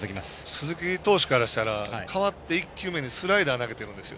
鈴木投手からしたら代わって１球目にスライダー投げてるんですよ。